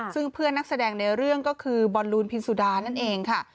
ซึ่งเพื่อนนักแสดงในเรื่องก็คือบอลลูนพินสุดานั่นเองค่ะ